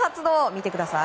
見てください。